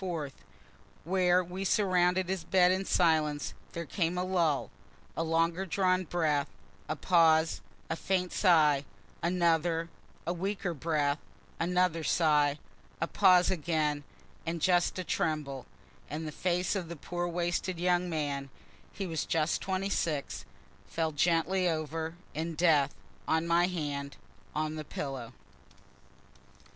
4th, where we surrounded his bed in silence, there came a lull a longer drawn breath, a pause, a faint sigh another a weaker breath, another sigh a pause again and just a tremble and the face of the poor wasted young man (he was just 26,) fell gently over, in death, on my hand, on the pillow.